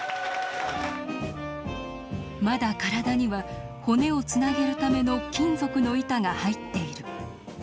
まだ体には骨をつなげるための金属の板が入っている。